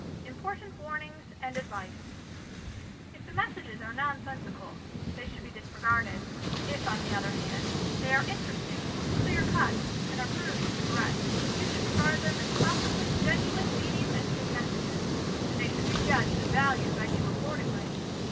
IMPORTANT WARNINGS AND ADVICE If the messages are nonsensical they should be dis regarded; if on the other hand they are interesting, clear cut and are proved to be correct, you should regard them as possibly genuine mediumistic messages and they should be judged and valued by you accordingly.